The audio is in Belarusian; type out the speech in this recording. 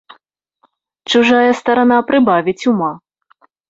Чужая старана прыбавіць ума!